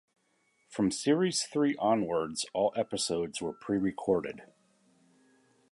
From series three onwards all episodes were pre-recorded.